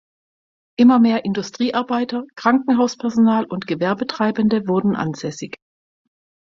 Immer mehr Industriearbeiter, Krankenhauspersonal und Gewerbetreibende wurden ansässig.